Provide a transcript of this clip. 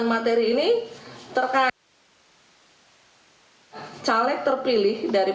pak describes kapal ini